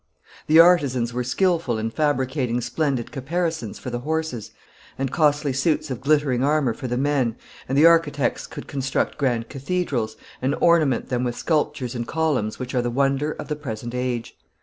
The artisans were skillful in fabricating splendid caparisons for the horses, and costly suits of glittering armor for the men, and the architects could construct grand cathedrals, and ornament them with sculptures and columns which are the wonder of the present age.